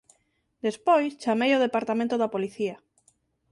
Despois chamei o departamento da policía…